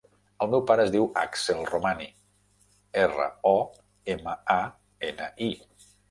El meu pare es diu Axel Romani: erra, o, ema, a, ena, i.